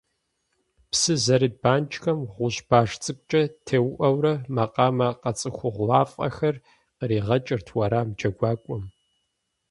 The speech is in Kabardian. Псы зэрыт банкӏхэм гъущӏ баш цӏыкӏукӏэ теуӏэурэ макъамэ къэцӏыхугъуафӏэхэр къригъэкӏырт уэрам джэгуакӏуэм.